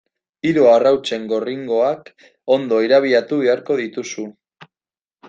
Hiru arrautzen gorringoak ondo irabiatu beharko dituzu.